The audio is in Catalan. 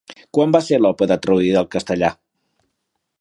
Quan va ser l'òpera traduïda al castellà?